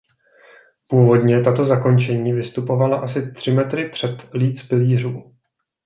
Původně tato zakončení vystupovala asi tři metry před líc pilířů.